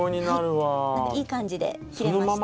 はいいい感じで切れました。